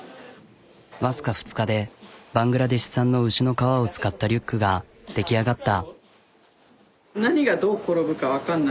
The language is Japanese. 僅か２日でバングラデシュ産の牛の革を使ったリュックが出来上がった。